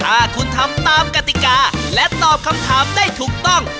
ถ้าคุณทำตามกติกาและตอบคำถามได้ถูกต้อง